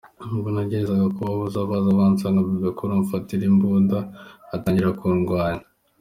Ubwo nageragezaga kubabuza baza bansanga Bebe cool amfatira imbunda atangira kundwanya.